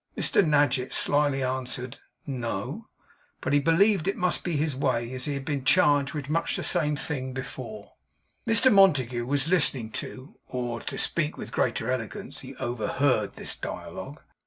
Mr Nadgett slyly answered, 'No, but he believed it must be his way as he had been charged with much the same kind of thing before.' Mr Montague was listening to, or, to speak with greater elegance, he overheard, this dialogue.